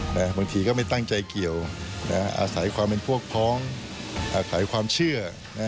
บางทีก็ไม่ตั้งใจเกี่ยวอาศัยความเป็นพวกพ้องอาศัยความเชื่อ